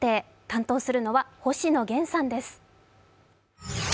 担当するのは星野源さんです。